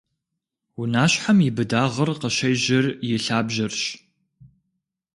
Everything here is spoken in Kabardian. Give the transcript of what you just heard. Унащхьэм и быдагъыр къыщежьэр и лъабжьэрщ.